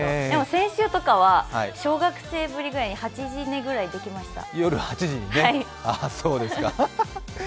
先週とかは小学生ぶりぐらいに８時寝ぐらいできました。